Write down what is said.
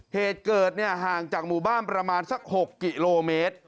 เหตุเกิดห่างจากหมู่บ้านประมาณสัก๖กิโลเมตร